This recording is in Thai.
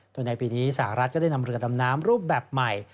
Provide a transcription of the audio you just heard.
โดยในปีนี้สหรัฐก็ได้นำเรือดำน้ำรูปแบบใหม่